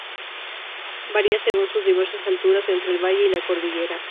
Varía según sus diversas alturas entre el valle y la cordillera.